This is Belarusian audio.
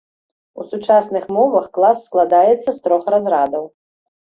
У сучасных мовах клас складаецца з трох разрадаў.